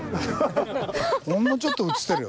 ほんのちょっと写ってるよ